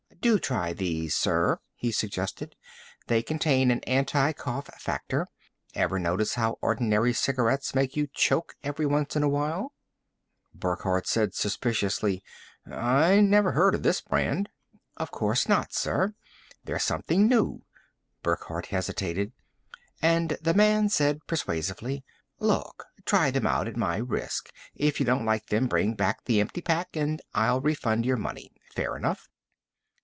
"Do try these, sir," he suggested. "They contain an anti cough factor. Ever notice how ordinary cigarettes make you choke every once in a while?" Burckhardt said suspiciously, "I never heard of this brand." "Of course not. They're something new." Burckhardt hesitated, and the man said persuasively, "Look, try them out at my risk. If you don't like them, bring back the empty pack and I'll refund your money. Fair enough?"